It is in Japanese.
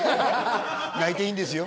泣いていいんですよ